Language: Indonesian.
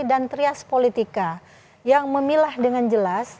dan trias politika yang memilah dengan jelas